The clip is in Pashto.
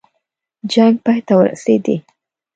جنګ پای ته ورسېدی.